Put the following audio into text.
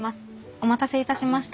お待たせいたしました。